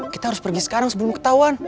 kita harus pergi sekarang sebelum ketahuan